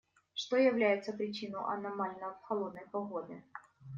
Что является причиной аномально холодной погоды?